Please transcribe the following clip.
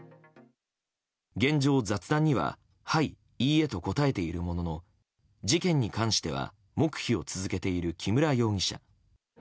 現状、雑談にははい、いいえと答えているものの事件に関しては黙秘を続けている木村容疑者。